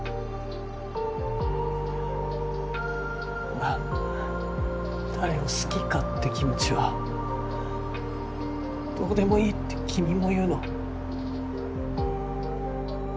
俺が誰を好きかって気持ちはどうでもいいって君も言うの？